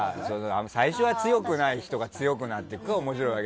最初、強くない人が強くなっていくから面白いわけで。